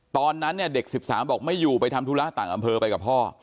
ตอนนั้นเนี่ยเด็ก๑๓บอกไม่อยู่ไปทำธุระต่างอำเภอไปกับพ่อ